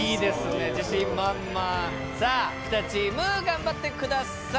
さあ２チーム頑張って下さい。